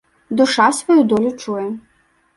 Душа сваю долю чуе.